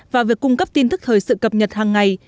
và việc cung cấp tin thức thời sự cập nhật hàng ngày